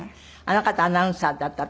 あの方アナウンサーだった。